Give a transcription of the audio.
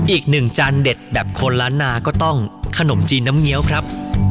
อีกหนึ่งจานเด็ดแบบคนล้านนาก็ต้องขนมจีนน้ำเงี้ยวครับ